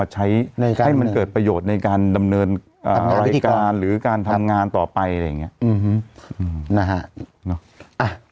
ใช้ให้มันเกิดประโยชน์ในการดำเนินรายการหรือการทำงานต่อไปอะไรอย่างนี้นะฮะ